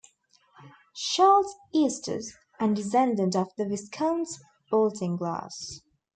Charles Eustace and descendant of the Viscounts Baltinglass.